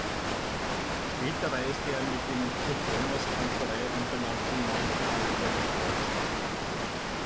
Später reiste er mit dem in „Kurt-Thomas-Kantorei“ umbenannten Madrigalchor durch Deutschland.